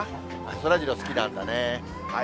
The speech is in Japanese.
そらジロー好きなんだね。